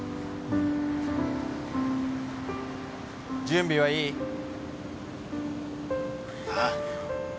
準備はいい？ああ。